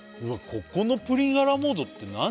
ここのプリンアラモードって何？